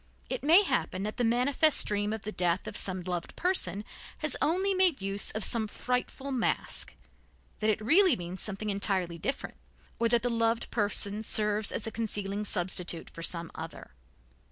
It may happen that the manifest dream of the death of some loved person has only made use of some frightful mask, that it really means something entirely different, or that the loved person serves as a concealing substitute for some other.